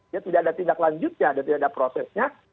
ya tidak ada tindak lanjutnya dan tidak ada prosesnya